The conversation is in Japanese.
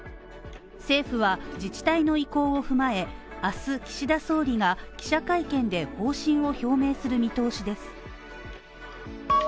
政府は自治体の意向を踏まえ、明日、岸田総理が記者会見で方針を表明する見通しです。